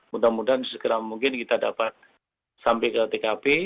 mudah mudahan segera mungkin kita dapat sampai ke tkp